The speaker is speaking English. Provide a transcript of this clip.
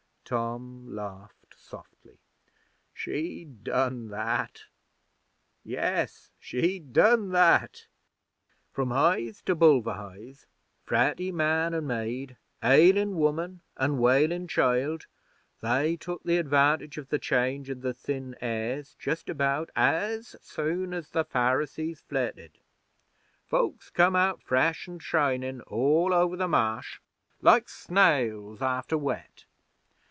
Tom laughed softly. 'She done that. Yes, she done that! From Hithe to Bulverhithe, fretty man an' maid, ailin' woman an' wailin' child, they took the advantage of the change in the thin airs just about as soon as the Pharisees flitted. Folks come out fresh an' shinin' all over the Marsh like snails after wet.